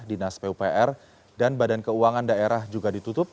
dinas pupr dan badan keuangan daerah juga ditutup